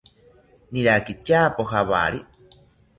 Niraki tyapo jawari